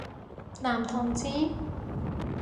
男同志？